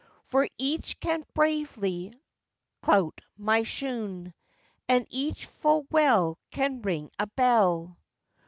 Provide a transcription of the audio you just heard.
For Ich can bravely clout my shoone, And Ich full well can ring a bell.